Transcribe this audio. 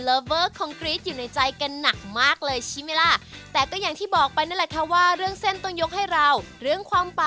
แล้วก็เดินมาทักราเมนกันหน่อยนะครับครับค่ะยืนรอกันสักนิดหนึ่งครับ